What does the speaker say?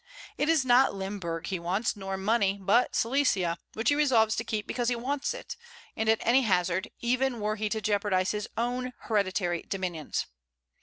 It is not Limberg he wants, nor money, but Silesia, which he resolves to keep because he wants it, and at any hazard, even were he to jeopardize his own hereditary dominions.